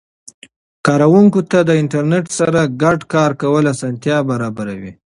کاروونکو ته د انټرنیټ سره ګډ کار کول اسانتیا برابر وي.